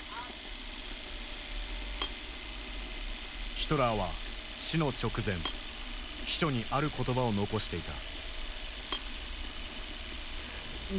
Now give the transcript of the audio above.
ヒトラーは死の直前秘書にある言葉を遺していた。